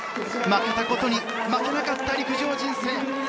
負けたことに負けなかった陸上人生。